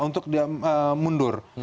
untuk dia mundur